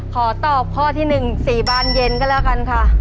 ขอตอบข้อที่๑๔บานเย็นก็แล้วกันค่ะ